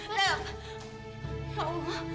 gak apa apa bu